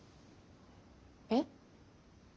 えっ？